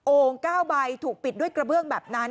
๙ใบถูกปิดด้วยกระเบื้องแบบนั้น